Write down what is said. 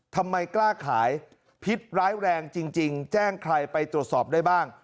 ทำไมกล้าขายพิษร้ายแรงจริงแจ้งใครไปตรวจสอบได้บ้าง